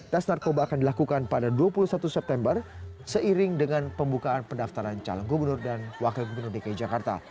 tes narkoba akan dilakukan pada dua puluh satu september seiring dengan pembukaan pendaftaran calon gubernur dan wakil gubernur dki jakarta